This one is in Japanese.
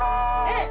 えっ？